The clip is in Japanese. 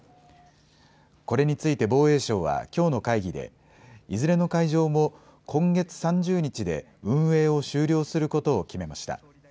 これについて防衛省は、きょうの会議で、いずれの会場も、今月３０日で運営を終了することを決めました。